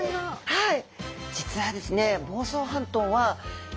はい！